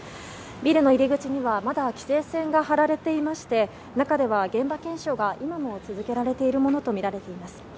ビルの入り口にはまだ規制線が張られていまして中では現場検証が今も続けられているものとみられています。